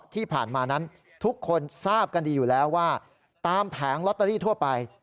ที่ผ่านมานั้นทุกคนทราบกันดีอยู่แล้วว่าตามแผงลอตเตอรี่ทั่วไป